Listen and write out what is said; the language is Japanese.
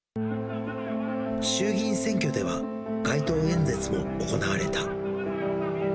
衆議院選挙では街頭演説も行われた。